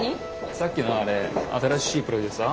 さっきのあれ新しいプロデューサー？